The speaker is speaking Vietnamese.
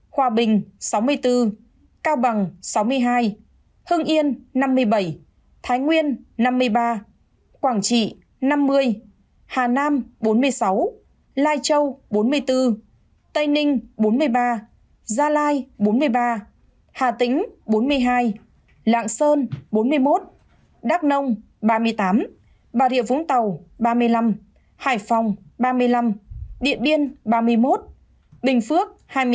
hòa bình sáu mươi bốn cao bằng sáu mươi hai hưng yên năm mươi bảy thái nguyên năm mươi ba quảng trị năm mươi hà nam bốn mươi sáu lai châu bốn mươi bốn tây ninh bốn mươi ba gia lai bốn mươi ba hà tĩnh bốn mươi hai lạng sơn bốn mươi một đắk nông ba mươi tám bà rịa phúng tàu ba mươi năm hải phòng ba mươi năm điện biên ba mươi một bình phước hai mươi tám